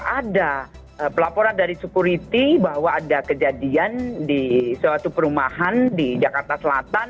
ada pelaporan dari sekuriti bahwa ada kejadian di suatu perumahan di jakarta selatan